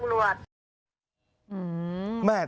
แต่มันบอกว่ามันเป็นผู้นำประเทศหรือว่าเป็นจำรวจ